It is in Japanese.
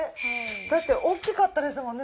だって大きかったですもんね